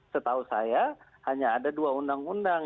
setahu saya hanya ada dua undang undang